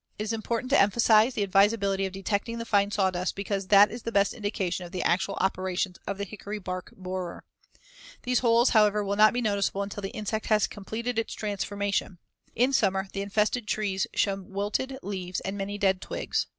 It is important to emphasize the advisability of detecting the fine sawdust because that is the best indication of the actual operations of the hickory bark borer. These holes, however, will not be noticeable until the insect has completed its transformation. In summer, the infested trees show wilted leaves and many dead twigs.